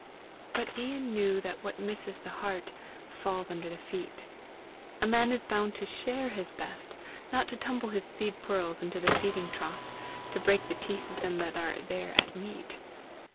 But Ian knew that what misses the heart falls under the feet! A man is bound to SHARE his best, not to tumble his SEED PEARLS into the feeding trough, to break the teeth of them that are there at meat.